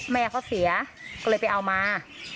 แม่เขาเสียก็เลยไปเอามา